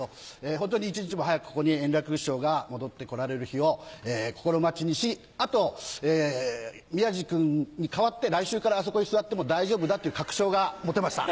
ホントに一日も早くここに円楽師匠が戻って来られる日を心待ちにしあと宮治君に代わって来週からあそこに座っても大丈夫だという確証が持てました